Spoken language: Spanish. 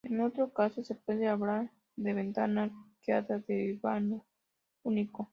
En otro caso, se puede hablar de ventana arqueada de vano único.